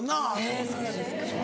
そうなんですよ。